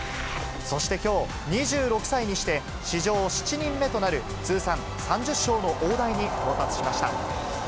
そしてきょう、２６歳にして史上７人目となる通算３０勝の大台に到達しました。